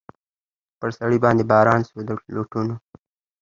پر سړي باندي باران سو د لوټونو